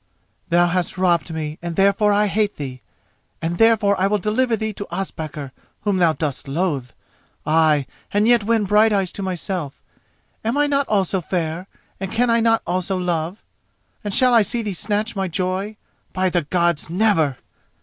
"Thou hast robbed me and therefore I hate thee, and therefore I will deliver thee to Ospakar, whom thou dost loath—ay and yet win Brighteyes to myself. Am I not also fair and can I not also love, and shall I see thee snatch my joy? By the Gods, never!